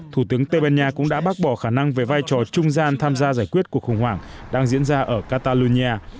thủ tướng tây ban nha cũng đã bác bỏ khả năng về vai trò trung gian tham gia giải quyết cuộc khủng hoảng đang diễn ra ở catalonia